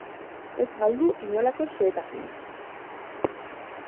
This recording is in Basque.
Ez galdu inolako xehetasunik!